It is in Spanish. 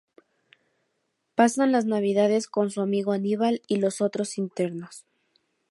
Pasan las navidades con su amigo Anibal y los otros internos.